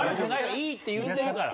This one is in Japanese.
いいって言ってるから。